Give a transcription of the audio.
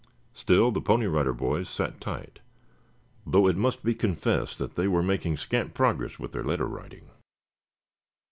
Still the Pony Rider Boys sat tight, though it must be confessed that they were making scant progress with their letter writing.